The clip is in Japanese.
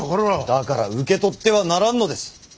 だから受け取ってはならんのです！